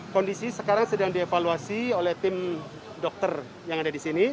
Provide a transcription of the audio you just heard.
kondisi sekarang sedang dievaluasi oleh tim dokter yang ada di sini